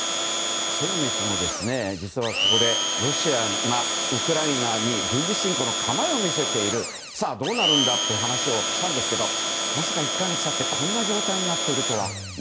先月も実はここでロシアがウクライナに軍事侵攻の構えを見せているさあ、どうなるんだろうって話をしたんですけどまさか１か月経ってこんな状態になっているとは。